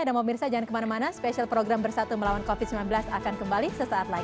dan mau mirsa jangan kemana mana spesial program bersatu melawan covid sembilan belas akan kembali sesaat lagi